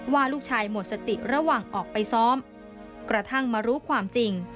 ว่าลูกชายหมดสติระหว่างออกไปซ้อมกระทั่งมารู้ความจริง